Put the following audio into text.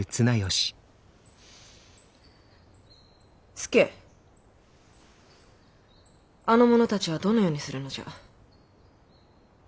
佐あの者たちはどのようにするのじゃ。